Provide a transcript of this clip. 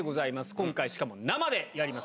今回、しかも生でやります。